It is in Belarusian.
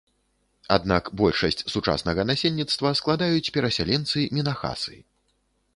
Аднак большасць сучаснага насельніцтва складаюць перасяленцы-мінахасы.